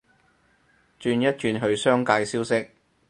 轉一轉去商界消息